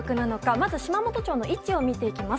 まず島本町の位置を見ていきます。